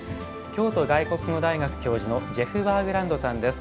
京都外国語大学教授のジェフ・バーグランドさんです。